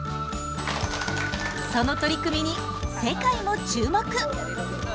その取り組みに世界も注目。